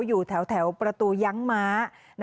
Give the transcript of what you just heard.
อยู่แถวประตูยั้งม้า